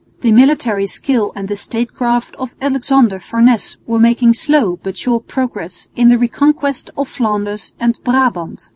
The military skill and the statecraft of Alexander Farnese were making slow but sure progress in the reconquest of Flanders and Brabant.